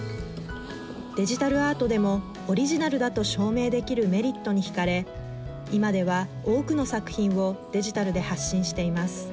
デジタルアートでもオリジナルだと証明できるメリットにひかれいまでは、多くの作品をデジタルで発信しています。